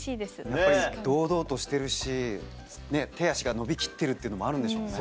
やっぱり堂々としてるし手足が伸びきってるというのもあるんでしょうね。